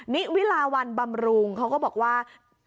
นิวิลาวันบำรุงเขาก็บอกว่า